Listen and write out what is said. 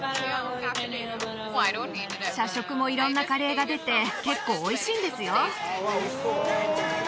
・社食も色んなカレーが出て結構おいしいんですよ